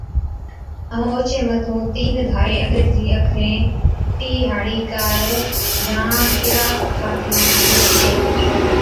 ائُون اوڇي مَٿُون تين ڌاري انگريزي اکرين T ھاڙِي ڪار يان ڪِراس ٺاٿِي ھڻجي ھِتين